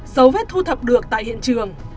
dấu vết thu thập được tại hiện trường